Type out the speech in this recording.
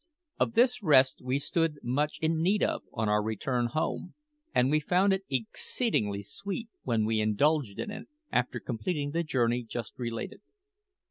Of this rest we stood much in need on our return home, and we found it exceedingly sweet when we indulged in it after completing the journey just related.